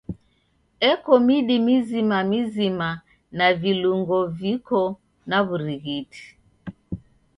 Eko midi mizima mizima na vilungo viko na w'urighiti.